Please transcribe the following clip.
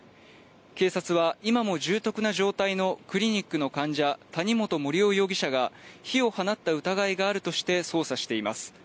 警察は今も重篤な状態のクリニックの患者谷本盛雄容疑者が火を放った疑いがあるとして捜査しています